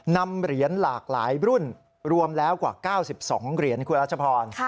นำเหรียญหลากหลายรุ่นรวมแล้วกว่า๙๒เหรียญคุณรัชพร